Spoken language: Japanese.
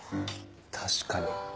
確かに。